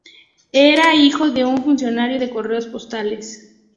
Era hijo de un funcionario de correos postales.